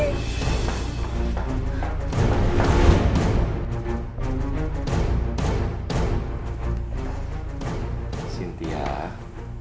kenapa kamu mau pergi